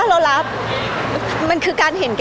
พี่ตอบได้แค่นี้จริงค่ะ